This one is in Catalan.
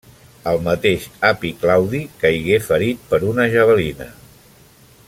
El mateix Api Claudi caigué ferit per una javelina.